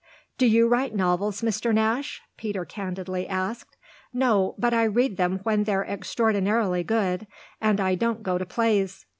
"Do you write novels, Mr. Nash?" Peter candidly asked. "No, but I read them when they're extraordinarily good, and I don't go to plays.